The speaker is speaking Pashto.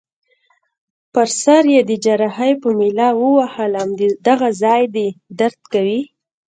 پر سر يي د جراحۍ په میله ووهلم: دغه ځای دي درد کوي؟